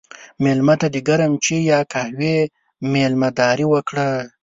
مېلمه ته د ګرم چای یا قهوې میلمهداري وکړه.